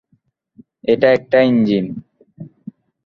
এটা একটা ইঞ্জিন।